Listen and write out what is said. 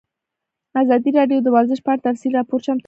ازادي راډیو د ورزش په اړه تفصیلي راپور چمتو کړی.